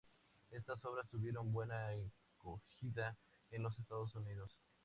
Estas obras tuvieron buena acogida en los Estados Unidos.